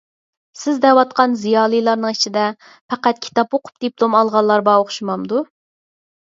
سىز دەۋاتقان زىيالىيلارنىڭ ئىچىدە پەقەت كىتاب ئوقۇپ دىپلوم ئالغانلار بار ئوخشىمامدۇ؟